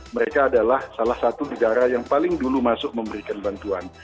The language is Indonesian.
mereka adalah salah satu negara yang paling dulu masuk memberikan bantuan